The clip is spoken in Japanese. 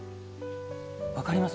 分かります？